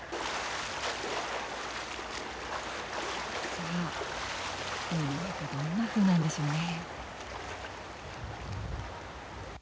さあ海の中どんなふうなんでしょうね。